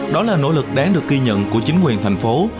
đó là nỗ lực đáng được ghi nhận của chính quyền thành phố